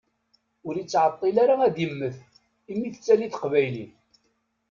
Ur ittɛeṭṭil ara ad immet i mi tettali teqbaylit.